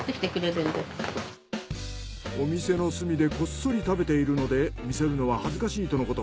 お店の隅でこっそり食べているので見せるのは恥ずかしいとのこと。